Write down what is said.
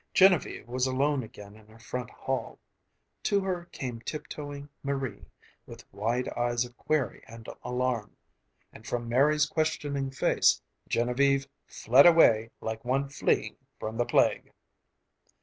Genevieve was alone again in her front hall. To her came tiptoeing Marie, with wide eyes of query and alarm. And from Marie's questioning face, Genevieve fled away like one fleeing from the plague.